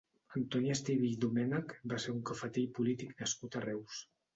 Antoni Estivill Domènech va ser un cafeter i polític nascut a Reus.